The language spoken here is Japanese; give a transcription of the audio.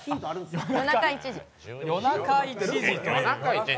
夜中１時。